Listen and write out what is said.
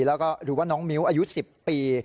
แล้วก็หรือว่าน้องมิ้วอายุ๑๐ปี